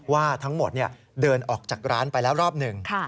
ว่าทั้งหมดเดินออกจากร้านไปแล้วรอบหนึ่ง